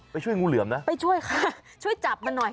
ช่วยงูเหลือมนะไปช่วยค่ะช่วยจับมันหน่อย